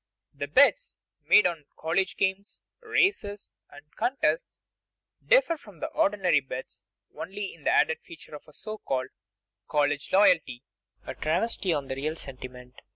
The bets made on college games, races, and contests differ from ordinary bets only in the added feature of so called college loyalty (a travesty on the real sentiment).